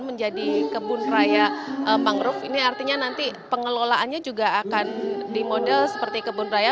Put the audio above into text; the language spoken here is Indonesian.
menjadi kebun raya mangrove ini artinya nanti pengelolaannya juga akan di model seperti kebun raya